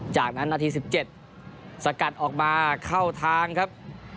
จากนั้นนาที๑๗สกัดออกมาเข้าทางครับ